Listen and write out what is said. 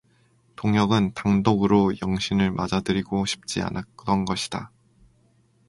동혁은 단독으로 영신을 맞아들이고 싶지 않았던 것이다.